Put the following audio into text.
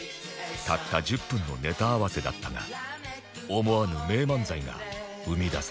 たった１０分のネタ合わせだったが思わぬ名漫才が生み出された